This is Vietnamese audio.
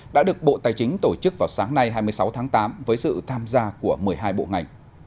đã được bộ tài chính tổ chức vào sáng nay hai mươi sáu tháng tám với sự tham gia của một mươi hai bộ ngành